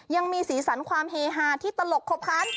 ยังมีสีสันความเฮฮาที่ตลกครบคัน